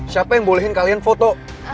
siapa yang bolehin kalian foto